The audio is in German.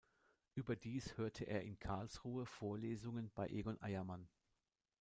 Überdies hörte er in Karlsruhe Vorlesungen bei Egon Eiermann.